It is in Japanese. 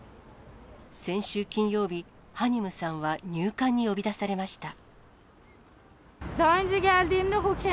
先週金曜日、ハニムさんは入管に呼び出されました。